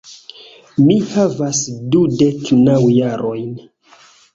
Mi havas dudek naŭ jarojn.